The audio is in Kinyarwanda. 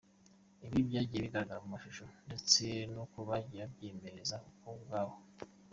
Ibi byagiye bigaragara mu mashusho ndetse nuko bagiye babyiyemereza bo ubwabo.